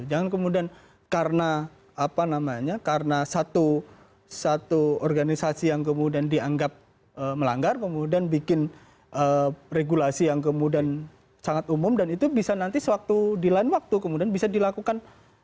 jangan kemudian karena apa namanya karena satu organisasi yang kemudian dianggap melanggar kemudian bikin regulasi yang kemudian sangat umum dan itu bisa nanti di lain waktu kemudian bisa dilakukan